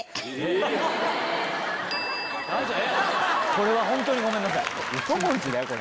これは本当にごめんなさい。